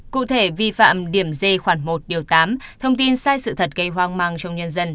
cụ thể vi phạm điểm d khoản một điều tám thông tin sai sự thật gây hoang mang trong nhân dân